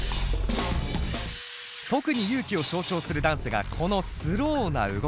特にＹＵ−ＫＩを象徴するダンスがこのスローな動き。